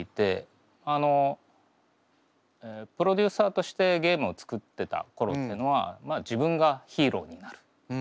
あのプロデューサーとしてゲームを作ってた頃っていうのはまあ自分がヒーローになる。